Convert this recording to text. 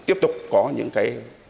tiếp tục có những cái